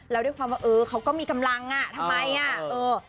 แล้วด้วยความว่าเขาก็มีกำลังทำไม